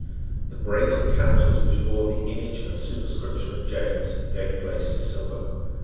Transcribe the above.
The brazen counters which bore the image and superscription of James gave place to silver.